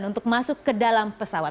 untuk masuk ke dalam pesawat